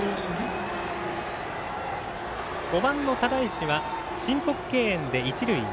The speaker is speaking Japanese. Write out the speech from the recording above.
５番の只石は申告敬遠で一塁へ。